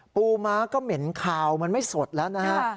ม้าก็เหม็นคาวมันไม่สดแล้วนะฮะ